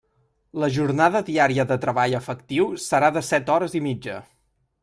La jornada diària de treball efectiu serà de set hores i mitja.